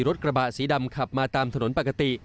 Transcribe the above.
รถกระบะสีดำขับมาตามถนนปกติ